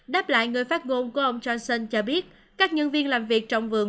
đáp lại người phát ngôn của ông johnson cho biết các nhân viên làm việc trong vườn